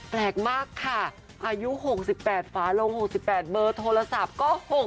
แปลกมากค่ะอายุ๖๘ฝาลง๖๘เบอร์โทรศัพท์ก็๖๖